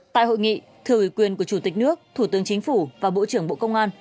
tại hội nghị thứ quyền của chủ tịch nước thủ tướng chính phủ và bộ trưởng bộ công an